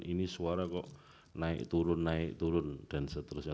ini suara kok naik turun naik turun dan seterusnya